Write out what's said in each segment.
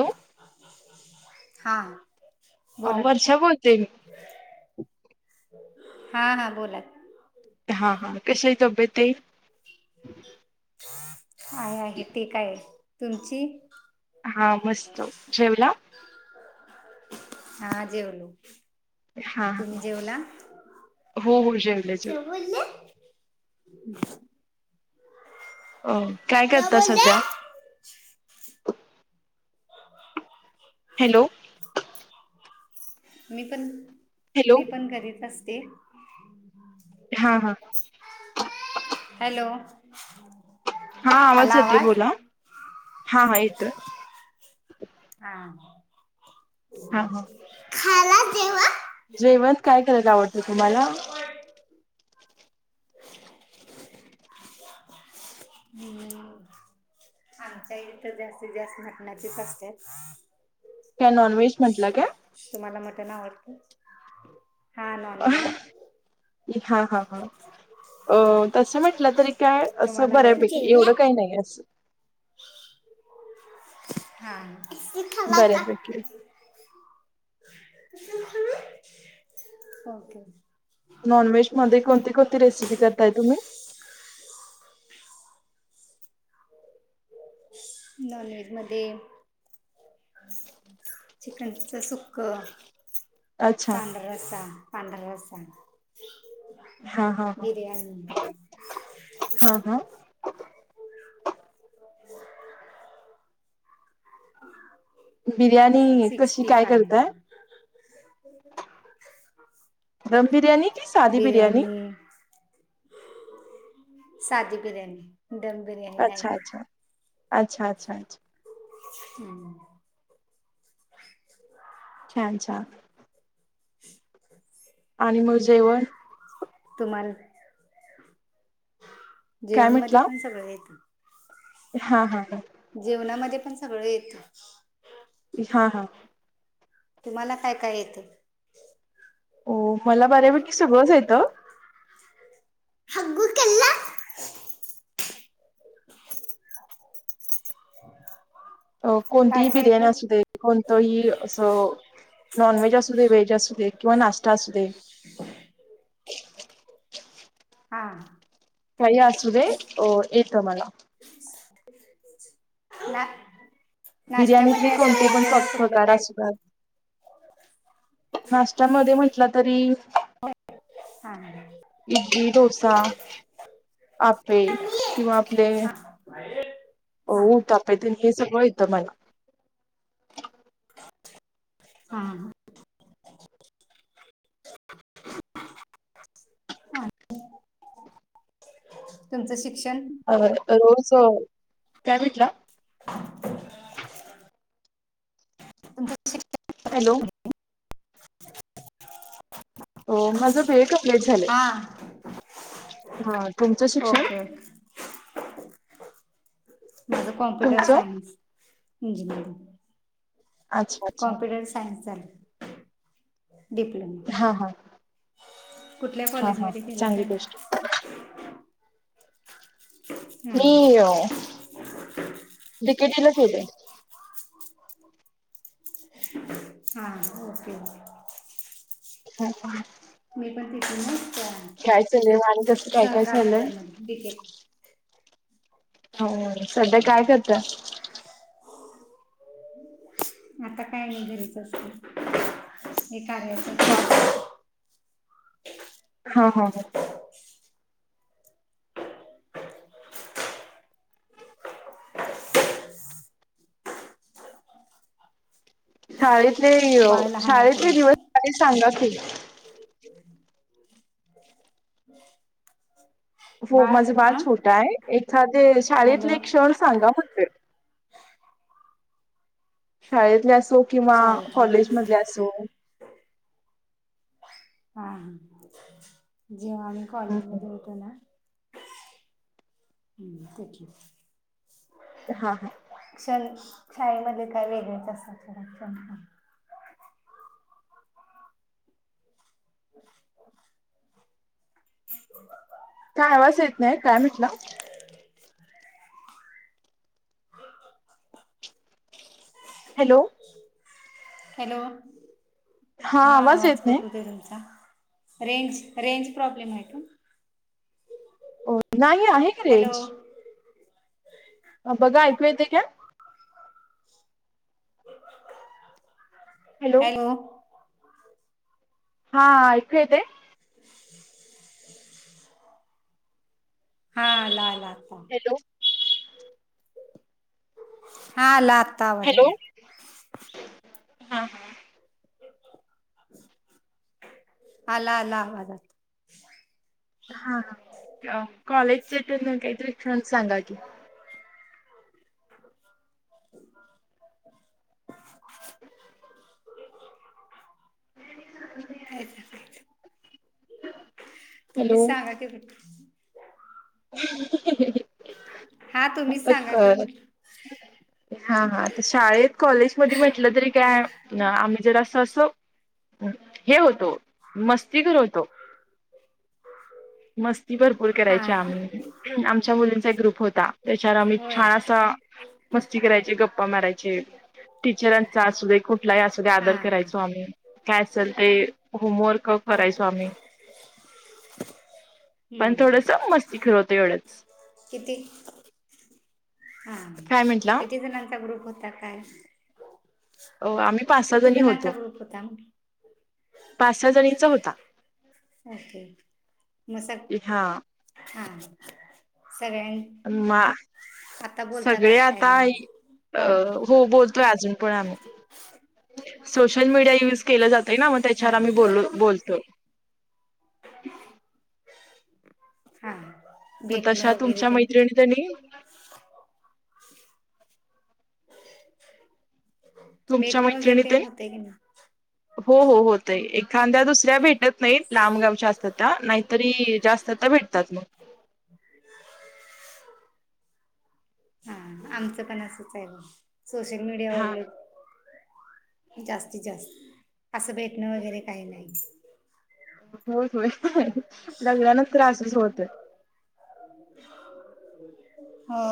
Hello. [inaudible] हा. अ बोला वर्षा बोलते मी. हा हा बोला. हां हां कशा ह तब्येत आहेई. आहेय आहे ठीक आहे तुमची. हा मस्त जेवला. हा जेवलू. हा हा तुम्ही हो हो जेवले जेवलाेव जेवले बोलले. ह. काय करता सध्या. [inaudible] हॅलो. मी पण हॅलो मी पण घरीत असते. ् हा हा. हॅलो. हा आवाज येतेय बोला हा हा येतोय. हा हा खाला तेव्हा. जैवंत काय कररायत आवडतं तुम्हाला. ह. आमच्याही तर जास्तीत जास्त घटण्याचीच असते. काय नॉन व्हेज म्हटलं काय. तुम्हाला मटण आवडते हा नॉन व्हेज. हा हा हा अ तस म्हटलं तर. काय असं तुम्हाला आवडते बऱ्यापैकी जेवला एवढं काही नाही असं. हां इथला का. बऱ्यापैकी ओके. नॉनव्हेजमध्ये कोणती कोणती रेसिपी करताय तुम्ही? नॉन व्हेजमध्ये. चिकनच सुक. अच्छा. पंढ वष पंधरा वर्ष. हा हा ह हा हा. हम्. हम. बिर्याणी कशी काय करतय. ग्रम बिरयाणी की सादी बिरयाणी. साजूकऱ्यांनी. दम बिरयाणी. अच्छा अच्छा अच्छा अच्छा अच्छा. हम्म. छानछान. ह. आणि मग जेवण. तुम्हाला काय जेवणमध्येध्ये म्हटला? पण सगळं येत. हा हा हा. जेवणामध्ये पण सगळं येत. हा हां. तुम्हाला काय काय येतं? हो मला बऱ्यापैकी सगळंच येतं. हग्गु केलास. [inaudible] अ काय कोणतीही काय बिर्याणी येतं? असू दे. कोणतंही असं नॉन व्हेज असू दे, व्हेज असू दे किंवा नाश्ता असू दे. [inaudible] हा. काही असू दे अ येत मला. [unintelligible] ना बिर्याणीतले नाशत्यामध्ये असे कोणते पण प वेगवेगळळे्या कुटल प्रकार काय असू द्यात. नाश्त्यामध्ये म्हटलं तरी हा. इडली, डोसा, आपे किंवा आपले हा हो उत्तप्पा तीन हे सगळं येतं मला. [inaudible] हा ह. हा तुमचं शिक्षण. अ रोज कायबिटला? [unintelligible] [inaudible] हॅलो. माझं बी ए कमप्लीट झालंय हा हा. तुमचं शिक्षण? [inaudible] म कॉमप्युटर तुमचं सायन्स, अच्छा अच्छा कॉमप्युटर सायन्स झालं. डिप्लोमा. ह कुठल्या ह कॉलेजमध्ये केला चांगली काय गोष्ट हाय. हां मी डि. के. टी. लाच होते. हा ओके. हम ह. मी पण तिथून म कर काय चालेल आणि आणि कसं काय काय झालंय? के. हो सध्या काय करत? आता काय नाही घरीच असते हे कार्याच हा हा. हा हा. शाळेतले बाळ लहान आहे का शाळेतले दिवस श सांगा की? हम्. हो माझं बाळ छोटा आहे. एखादे शाळेतले हॅलो एक क्षण सांगा म्हटल. शाळेतले असो किंवा शाळेतले कॉलेज हां मधले असो. हा जेव्हा आम्ही कॉलेज मध्ये होतो ना. हम् ठीेके. हा हा. क्षण शाळेमध्ये काय वेगळेच असतात सोडा क्षण. [unintelligible] काय आवाज येत नाही काय म्हटलं? [unintelligible] हॅलो. हॅलो हा आवाज कठ होते तुमचा? रेंज रेंज प्रॉब्लेम आहे का? हो नाही आहे. की हॅलो. रेंज बघा ऐकू येते का? हॅलो. हां इथे येत. [unintelligible] हा ला लाता हॅलो. हाला आत् हॅलो आवदला हा आला आला आवाज आात हा ह कॉलेज सट काहीतरीिक्ण सांगा की [unintelligible] [unintelligible] कायच? तुम्ही हॅलो सांगा ते हा तुम्हीच आता सांगा की काय? म्हटलं. हा हा तर शाळेत कॉलेजमध्येध्ये म्हटलं तरी काय आम्ही जर असं असं. हे होतो मस्तीकर होतो. मस्ती भरपूर हा करायची हा आम्ही आमच्या मुलींचा एक ग्रुप होता त्याच्यावर आम्ही होय छान असा. मस्ती करायचे गप्पा मारायचे. टीचरांचा असू दे कुठलाही असू दे हा आदर करायचो आम्ही काय असेल ते होमवर्क हो करायच आ्ही पण थोडस हम्म मस्ती कर होतो एवढंच. किती हा काय म्हंटला किती जणांचा ग्रुप होता काय? अ आम्ही पाच सहा किती जणी जणांचा होतो ग्रुप होता म्हटलं पाच सहा जणीचा होता. ओके मग सग हा हां सगळ मा सगळे काय आता नाही आज अ. कॉलवर हो बोलतोय अजून पण आम्ही सोशल मीडिया युज केलं जातय ना मग हा त्याच्यावर आम्ही बोलो बोलतो. हा्. मग तशा तुमच्या मैत्रिणी त्यांनी [unintelligible] तुमच्या भेटणं मैत्रिणी वगैरे ते तेन होतेय की नाही. हो हो होत आहे एखाद्या दुसऱ्या भेटत नाहीत लांब गावच्या असत त्या नाहीतरी जास्त स्त भेटतात मग हा आमचं पण असंच आहे सोशल हा मीडियावरल जास्तीत जास्त असं भेटणं वगैरे काही नाही. होय होय लग्नानच त्रासच होत. हो.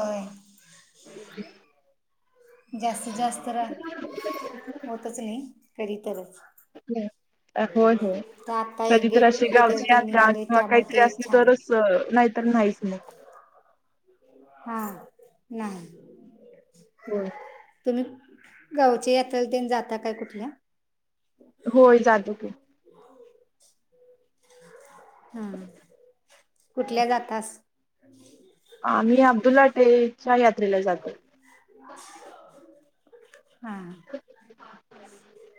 जास्तीत जास्त होतच नाही कधी तरच ह्. होय हो तर आता एक कधी तर गेट अशी गावची टुगेदर ते यात्रा निघाले किंवा त्यामुळे काहीतरी ते एक असली छान तरच आहे नाहीतर नाहीच मग [unintelligible] होम. तुम्ही गावचे येथल देन जाता काय कुठल्या? होय जातोकी हम कुठल्या जातास. आम्ही अब्दुल हटेच्या यात्रेला जातो. हम्. [unintelligible]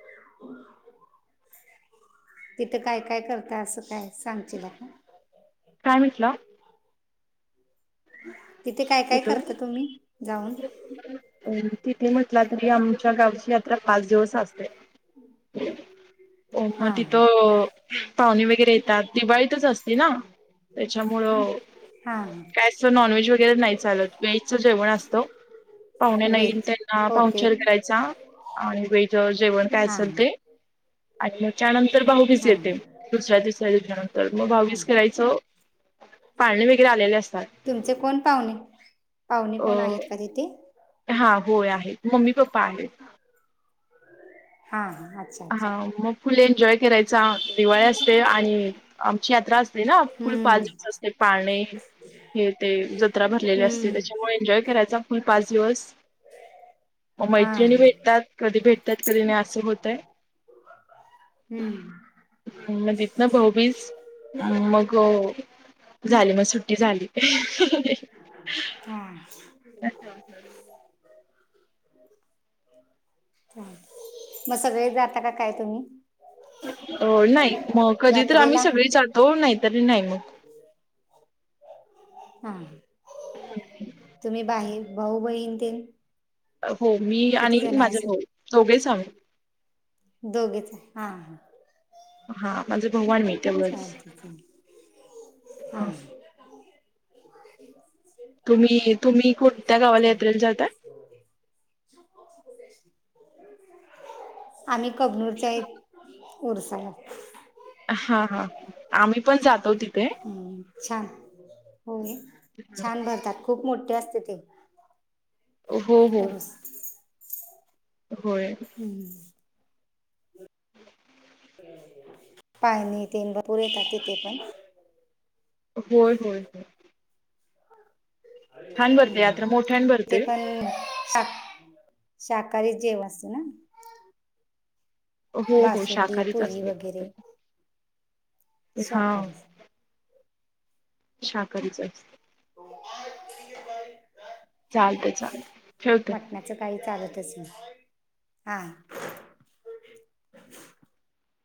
तिथं काय काय करत असं काय सांगश का? काय म्हेटला. तिथे काय काय तिकडे करता तुम्ही जाऊन. अ तिथे म्हटलं तरी आमच्या गावची यात्रा पाच दिवस असते. हो म हां तिथ हां पाहुणे वगैरे येतात दिवाळीतच असते ना त्याच्यामुळं. हा ह. वज नॉन व्हेज वगैरे नाही चालत वेजचं जेवण असतं. पाहुणे हां नाहीईल व्हेज त्यांना ओके पांचर ओके घरायचा आणि वेच जेवण काय हां असेल ते. आणि मग त्यानंतर भावीस हां येते दुसऱ्या दुसऱ्या दिच्यानंतर मग हां भावीस करायची. सो पाळणे वगैरे आलेले असतात. तुमचे कोण पाहुणे पाहुणे अ कोण आहेत का तिथे. हा होय आहेत मम्मी पप्पा आहेत. हा हा अ. हा मग फुल एन्जॉय करायचं. दिवाळी असते आणि आमची यात्रा असते ना फुल पाच हम्म, दिवस असते पाणे हे ते जत्रा भरलेली असते हम्म, त्याच्यामुळे एन्जॉय करायचा फुल पाच दिवस. मग हां मैत्रिणी भेटतात कधी भेटतात कधी नाही असं होतय हम्म मधित ना भाऊबीस मग. झाले मग सुट्टी झाली. हम्. अच्छा अा. मग सगळे जाता का काय तुम्ही. अ नाही मग कधी तर आम्ही यात्रेला सगळी चालतो नाहीतरी नाही मग हां हा तुम्ही बाहेर भाऊ बहीण ते हो मी आणि किती जण आहे माझे असं भाऊ दोघे सांग दोघीच हां. हा म्हणे भववान मिळ चाल ठीक चल हा हां. तुम्ही तुम्ही कोणत्या गावाला चालेल यात्रेला जातात. [inaudible] आम्ही कबनूरच्या एक रसा. हा हा आम्ही पण जातो तिथे. छान हो छान भरतात खूप मोठे असते ते... हो हो. उरूस होय. हम्. पाय नाही तेन पुरेेतात ते पण. होय होय होय. छान भरते यात्रा मोठ्यान ते भरते पण साात. शाकाहारी जेव असत ना. हो हो बासुंदी शाकाहारीच पुरी असते. वगैरे हा शाकाारीच. शाकरीच अस आज चालत चालत मटण्याचं काही चालतच नाही हा